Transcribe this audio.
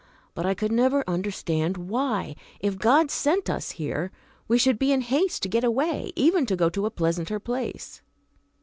But I could never understand why, if God sent us here, we should be in haste to get away, even to go to a pleasanter place.